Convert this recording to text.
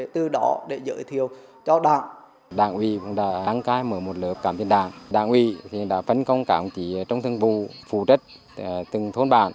từ đó để giới thiệu cho đảng